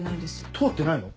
通ってないの？